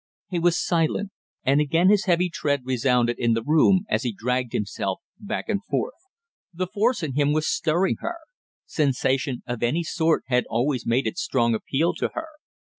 He was silent, and again his heavy tread resounded in the room as he dragged himself back and forth. The force in him was stirring her. Sensation of any sort had always made its strong appeal to her.